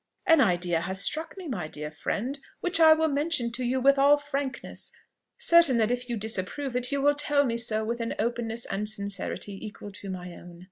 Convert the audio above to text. "An idea has struck me, my dear friend, which I will mention to you with all frankness, certain that if you disapprove it, you will tell me so with an openness and sincerity equal to my own.